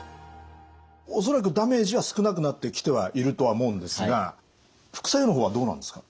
恐らくダメージは少なくなってきてはいるとは思うんですが副作用の方はどうなんですか？